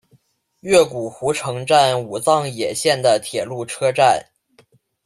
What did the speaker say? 越谷湖城站武藏野线的铁路车站。